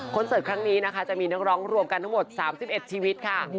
เสิร์ตครั้งนี้นะคะจะมีนักร้องรวมกันทั้งหมด๓๑ชีวิตค่ะ